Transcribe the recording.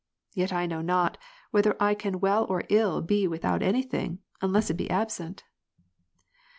Yet I know not, whether I can well or ill be without any thing, unless it be absent.